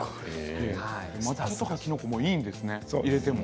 抹茶とかきな粉もいいんですね入れても。